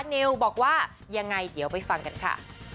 นิวบอกว่ายังไงเดี๋ยวไปฟังกันค่ะ